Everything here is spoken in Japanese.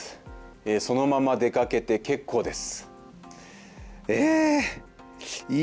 そのまま出かけて結構です。